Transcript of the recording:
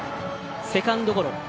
セカンドゴロ。